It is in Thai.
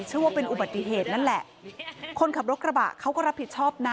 เชื่อว่าเป็นอุบัติเหตุนั่นแหละคนขับรถกระบะเขาก็รับผิดชอบนะ